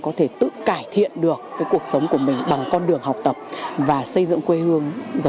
có thể tự cải thiện được cuộc sống của mình bằng con đường học tập và xây dựng quê hương